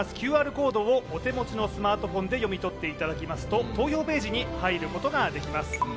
ＱＲコードをお手元のスマートフォンで読み取っていただきますと投票ページに入ることができます。